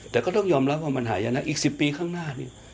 แต่ก็ต้องยอมรับว่ามันหายากอีก๑๐ปีข้างหน้านี่